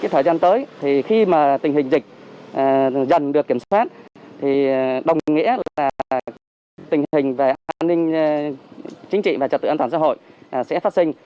thời gian tới thì khi mà tình hình dịch dần được kiểm soát thì đồng nghĩa là tình hình về an ninh chính trị và trật tự an toàn xã hội sẽ phát sinh